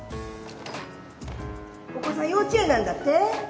お子さん幼稚園なんだって？